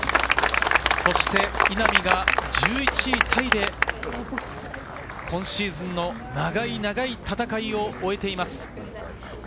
そして稲見が１１位タイで、今シーズンの長い長い戦いを終えています。